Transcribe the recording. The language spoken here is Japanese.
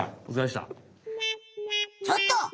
ちょっと！